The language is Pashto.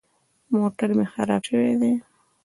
موټر مې خراب شوی دی.